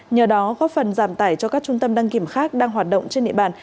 nhờ đó góp phần giảm tải cho các trung tâm đăng kiểm khác đang hoạt động trên địa bàn